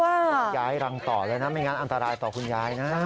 คุณยายรังต่อแล้วนะไม่งั้นอันตรายต่อคุณยายน่ะ